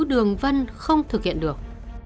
đường vân không thực hiện được